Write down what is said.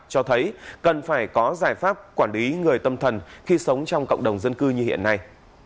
cho thấy cần phải có giải pháp quản lý người tâm thần khi sống trong cộng đồng dân cư như hiện nay